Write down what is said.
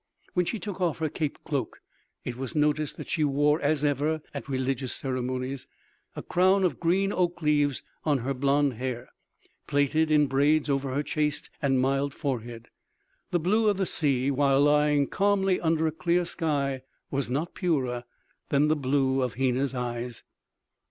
When she took off her caped cloak it was noticed that she wore, as ever at religious ceremonies, a crown of green oak leaves on her blonde hair, plaited in braids over her chaste and mild forehead. The blue of the sea, when lying calmly under a clear sky, was not purer than the blue of Hena's eyes.